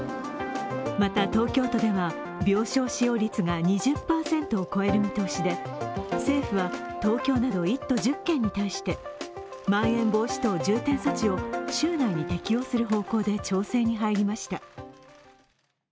また東京都では病床使用率が２０％を超える見通しで政府は東京など１都１０県に対してまん延防止等重点措置を週内に適用する方向で調整に入りました。